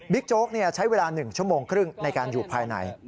โจ๊กใช้เวลา๑ชั่วโมงครึ่งในการอยู่ภายใน